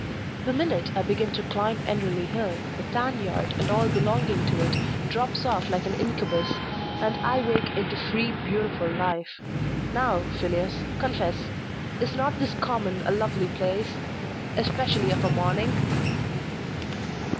The minute I begin to climb Enderley Hill, the tan yard, and all belonging to it, drops off like an incubus, and I wake into free, beautiful life. Now, Phineas, confess; is not this common a lovely place, especially of a morning?"